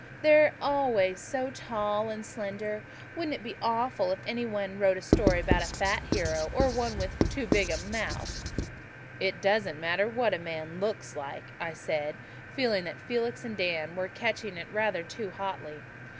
"They're always so tall and slender. Wouldn't it be awful funny if any one wrote a story about a fat hero or about one with too big a mouth?" "It doesn't matter what a man LOOKS like," I said, feeling that Felix and Dan were catching it rather too hotly.